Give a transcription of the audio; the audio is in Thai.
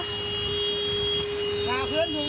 ประมาณ๑๑๐เซนติเมตรใช่ไหม